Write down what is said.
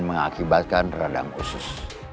mengakibatkan radang usus